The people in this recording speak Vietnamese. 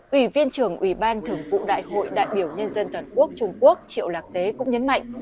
ủy viên trưởng ủy ban thưởng vụ đại hội đại biểu nhân dân toàn quốc trung quốc triệu lạc tế cũng nhấn mạnh